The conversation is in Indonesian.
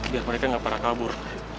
biar mereka gak parah kabur